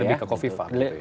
lebih ke hopipah